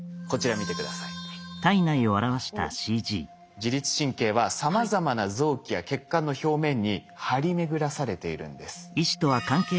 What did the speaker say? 自律神経はさまざまな臓器や血管の表面に張り巡らされているんです。